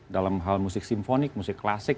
dalam hal musik simfonik musik klasik